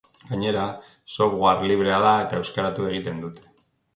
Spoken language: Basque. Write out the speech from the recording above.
Gainera, software librea da eta euskaratu egin dute.